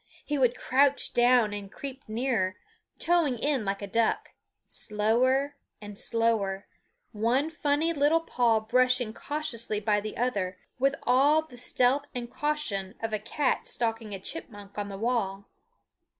He would crouch down and creep nearer, toeing in like a duck, slower and slower, one funny little paw brushing cautiously by the other, with all the stealth and caution of a cat stalking a chipmunk on the wall.